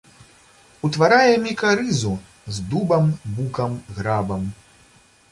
Утварае мікарызу з дубам, букам, грабам.